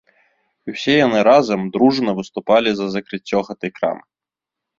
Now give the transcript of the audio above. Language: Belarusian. І ўсе яны разам, дружна выступалі за закрыццё гэтай крамы.